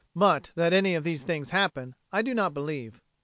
But that any of these things happened I do not believe.